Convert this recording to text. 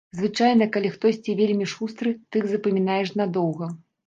Звычайна, калі хтосьці вельмі шустры, тых запамінаеш надоўга.